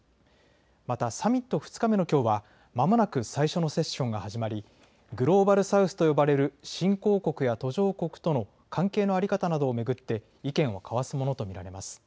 またサミット２日目のきょうはまもまく最初のセッションが始まりグローバル・サウスと呼ばれる新興国や途上国との関係の在り方などを巡って意見を交わすものと見られます。